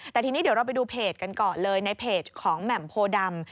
แต่ทีนี้เดี๋ยวเราไปดูเพจกันก่อนเลยในเพจของแหม่มโพดำ